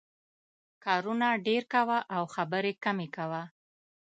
کارونه ډېر کوه او خبرې کمې کوه.